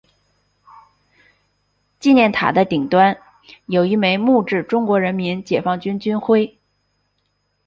纪念塔的顶端有一枚木质中国人民解放军军徽。